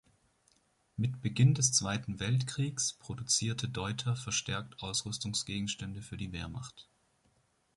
Mit Beginn des Zweiten Weltkriegs produzierte Deuter verstärkt Ausrüstungsgegenstände für die Wehrmacht.